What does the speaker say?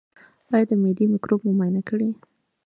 ایا د معدې مکروب مو معاینه کړی دی؟